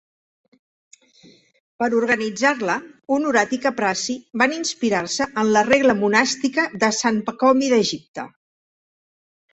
Per organitzar-la, Honorat i Caprasi van inspirar-se en la regla monàstica de sant Pacomi d'Egipte.